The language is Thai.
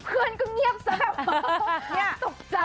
เพื่อนก็เงียบซะแบบเงียบตกใจ